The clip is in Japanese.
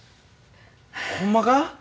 ほんまか？